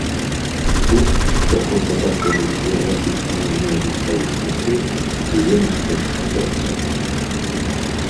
Тых, хто хоча пашырыць геаграфічныя межы сваёй душы ды ёмістасць сэрца.